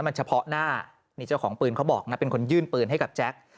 มันเฉพาะหน้านี่เจ้าของปืนเขาบอกนะเป็นคนยื่นปืนให้กับแจ็ค